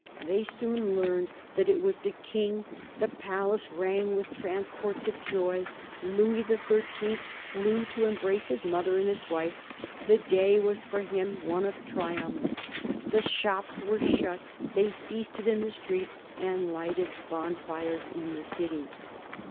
They soon learned that it was the King; the palace rang with transports of joy ; Louis XIII. flew to embrace his mother and his wife. The day was for him one of triumph. The shops were shut ; they feasted in the streets and lighted bonfires in the evening."